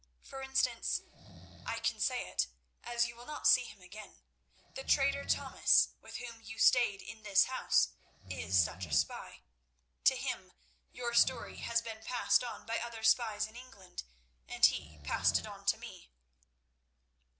For instance—I can say it, as you will not see him again—the trader Thomas, with whom you stayed in this house, is such a spy. To him your story has been passed on by other spies in England, and he passed it on to me."